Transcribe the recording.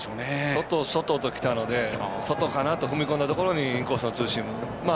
外、外ときたので外かなと踏み込んだところにインコースのツーシーム。